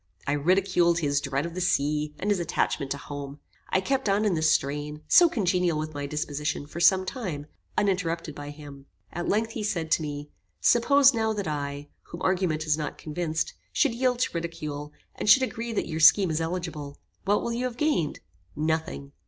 I ridiculed his dread of the sea, and his attachment to home. I kept on in this strain, so congenial with my disposition, for some time, uninterrupted by him. At length, he said to me, "Suppose now that I, whom argument has not convinced, should yield to ridicule, and should agree that your scheme is eligible; what will you have gained? Nothing.